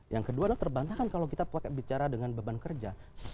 yang kedua adalah terbantahkan kalau kita bicara dengan beban kerja